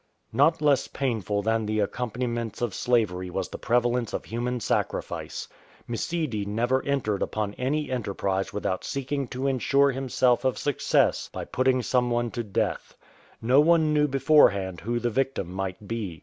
Not less painful than the accompaniments of slavery was the prevalence of human sacrifice. Msidi never entered upon any enterprise without seeking to ensure himself of success by putting some one to death. No one knew before hand who the victim might be.